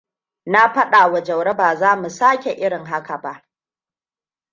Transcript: Na fadawa Jauro baza mu sake irin haka ba?